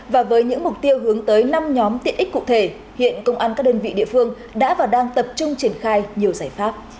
và với những mục tiêu hướng tới năm nhóm tiện ích cụ thể hiện công an các đơn vị địa phương đã và đang tập trung triển khai nhiều giải pháp